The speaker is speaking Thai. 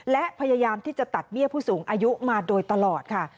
และพยายามที่จะตัดเบี้ยผู้สูงอายุมาโดยตลอดค่ะ